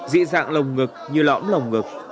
dị dạng lồng ngực như lõm lồng ngực